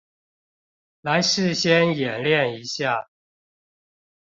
來事先演練一下